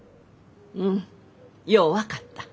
うんよう分かった。